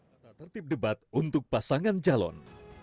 tata tertib debat untuk pasangan calon